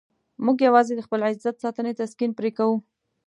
موږ یوازې د خپل عزت ساتنې تسکین پرې کوو.